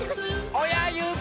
おやゆび！